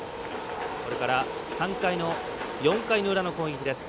これから、４回の裏の攻撃です。